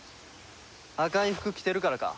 赤い服着てるからか？